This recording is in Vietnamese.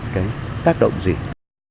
cái tác động sự việc làm ấy